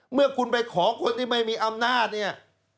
เมื่อคุณไปขอคนที่ไม่มีอำนาจเนี่ย